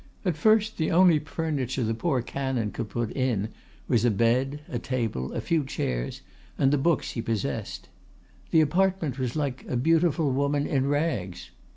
At first, the only furniture the poor canon could put in was a bed, a table, a few chairs, and the books he possessed. The apartment was like a beautiful woman in rags.